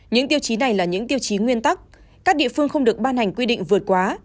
những tiêu chí này là những tiêu chí nguyên tắc các địa phương không được ban hành quy định vượt quá